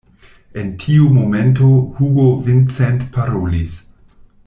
En tiu momento Hugo Vincent parolis: